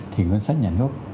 thì ngân sách nhà nước